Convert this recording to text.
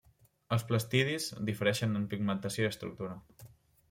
Els plastidis difereixen en pigmentació i estructura.